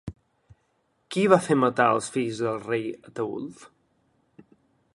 Qui va fer matar els fills del rei Ataülf?